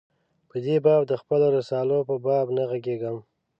په دې باب د خپلو رسالو په باب نه ږغېږم.